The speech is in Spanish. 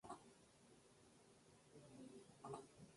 Es el mayor pabellón polideportivo del sur de España.